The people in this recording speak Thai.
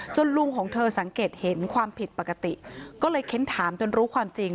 ลุงของเธอสังเกตเห็นความผิดปกติก็เลยเค้นถามจนรู้ความจริง